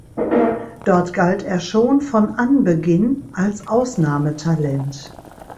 Dort galt er schon von Anbeginn als Ausnahmetalent.